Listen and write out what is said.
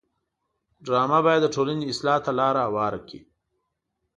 ډرامه باید د ټولنې اصلاح ته لاره هواره کړي